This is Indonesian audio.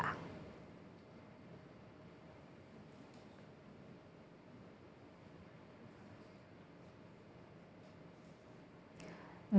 di saat foto duet budiastrio jiwandono